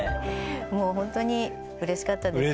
もうほんとにうれしかったですね。